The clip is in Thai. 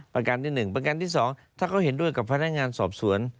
ประการที่๑ประการที่๒ถ้าเขาเห็นด้วยกับพนักงานสอบสวน